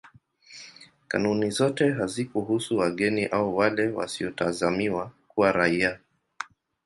Kanuni zote hazikuhusu wageni au wale wasiotazamiwa kuwa raia.